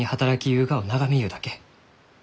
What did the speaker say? ゆうがを眺めゆうだけ。